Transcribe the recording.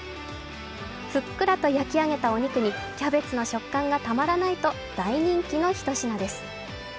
ふっくらと焼き上げたお肉に、キャベツの食感がたまらないと大人気のひと品です。